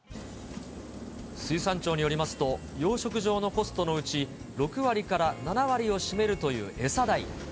水産庁によりますと、養殖場のコストのうち、６割から７割を占めるという餌代。